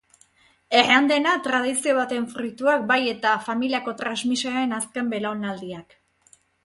Erran dena, tradizio baten fruituak, bai eta familiako transmisioaren azken belaunaldiak.